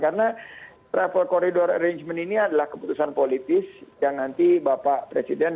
karena travel corridor arrangement ini adalah keputusan politis yang nanti bapak presiden